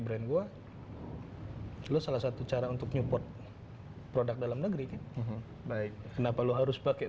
brand gua hai selesai satu cara untuk nyuport produk dalam negeri baik kenapa lu harus pakai